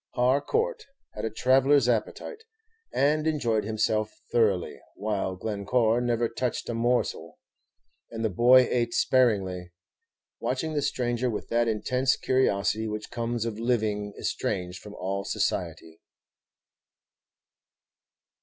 Har court had a traveller's appetite, and enjoyed himself thoroughly, while Glencore never touched a morsel, and the boy ate sparingly, watching the stranger with that intense curiosity which comes of living estranged from all society.